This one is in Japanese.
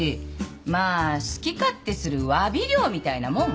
まあ好き勝手するわび料みたいなもん？